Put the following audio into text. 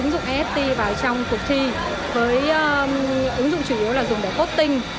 đưa các ứng dụng nft vào trong cuộc thi với ứng dụng chủ yếu là dùng để voting